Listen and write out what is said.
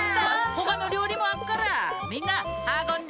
ほかのりょうりもあっからみんなはこんで！